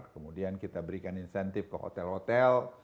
kemudian kita berikan insentif ke hotel hotel